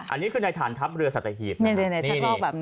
อันนี้คือในฐานทัพเลยศตหีพ